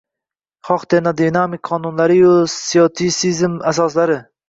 xoh termodinamika qonunlariyu stoitsizm asoslari...